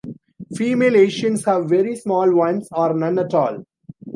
Female Asians have very small ones, or none at all.